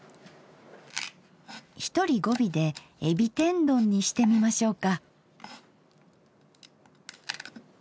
１人５尾でえび天どんにしてみましょうか。